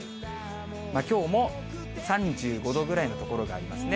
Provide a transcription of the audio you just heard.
きょうも３５度ぐらいの所がありますね。